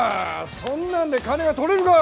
そんなんで金が取れるか。